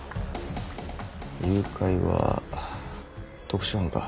誘拐は特殊班か。